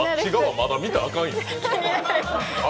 まだ見たらあかんよ。